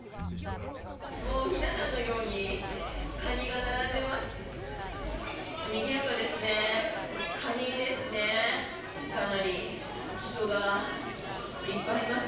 ひな壇のようにカニが並んでいます。